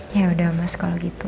ya udah mas kalau gitu